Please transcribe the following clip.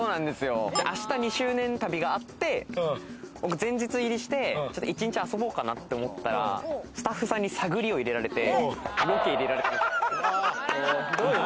明日、２周年旅があって前日入りして一日遊ぼうかなって思ったらスタッフさんに探りを入れられてロケ入れられた。